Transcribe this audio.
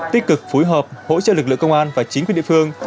tích cực phối hợp hỗ trợ lực lượng công an và chính quyền địa phương